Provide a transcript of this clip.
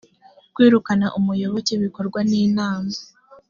kwirukana umuyoboke bikorwa n inama